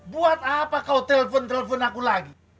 buat apa kau telpon telpon aku lagi